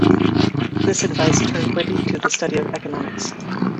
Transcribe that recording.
This advice turned Witte to the study of economics.